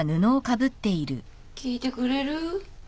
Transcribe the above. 聞いてくれる？